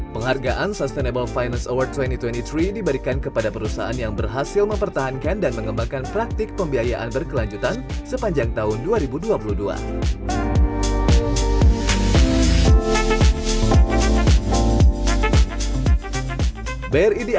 penghargaan yang diberikan kepada perusahaan yang berhasil mempertahankan dan juga mengembangkan praktik pembiayaan berlanjutan sepanjang tahun dua ribu dua puluh dua